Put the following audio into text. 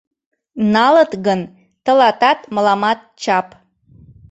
Налыт гын — тылатат, мыламат чап!